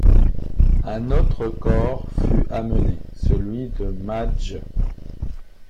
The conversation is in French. Un autre corps fut amené, celui de Madge.